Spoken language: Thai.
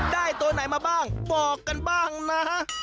ตัวไหนมาบ้างบอกกันบ้างนะ